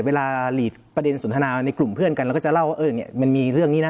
หลีดประเด็นสนทนาในกลุ่มเพื่อนกันเราก็จะเล่าว่ามันมีเรื่องนี้นะ